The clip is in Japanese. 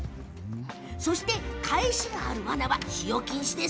そして、返しがあるワナは使用禁止。